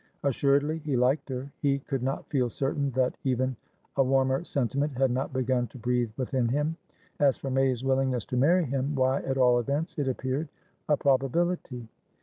Assuredly he liked her; he could not feel certain that even a warmer sentiment had not begun to breathe within him. As for May's willingness to marry him, why, at all events, it appeared a probability.